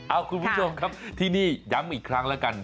เอาคุณผู้ชมครับที่นี่ย้ำอีกครั้งแล้วกัน